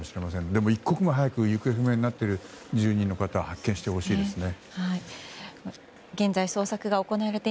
でも一刻も早く行方不明になっている方を発見してほしいですね。